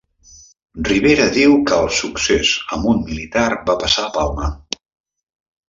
Rivera diu que el succés amb un militar va passar a Palma